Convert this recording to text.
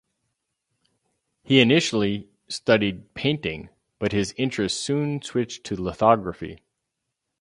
He initially studied painting, but his interests soon switched to lithography.